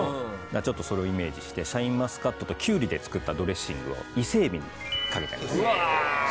ちょっとそれをイメージしてシャインマスカットとキュウリで作ったドレッシングをイセエビに掛けてあります。